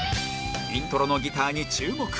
イントロのギターに注目